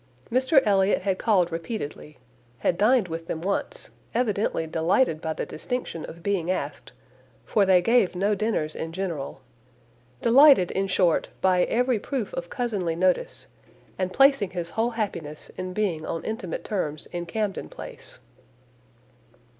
Mr Elliot had called repeatedly, had dined with them once, evidently delighted by the distinction of being asked, for they gave no dinners in general; delighted, in short, by every proof of cousinly notice, and placing his whole happiness in being on intimate terms in Camden Place.